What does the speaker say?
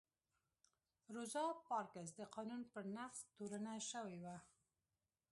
روزا پارکس د قانون پر نقض تورنه شوې وه.